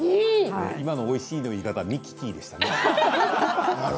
今のおいしい、の言い方ミキティ、でしたね。